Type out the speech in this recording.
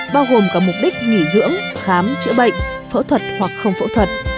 bao gồm cả mục đích nghỉ dưỡng khám chữa bệnh phẫu thuật hoặc không phẫu thuật